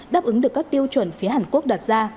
đáp ứng được các tiêu chuẩn phía hàn quốc đặt ra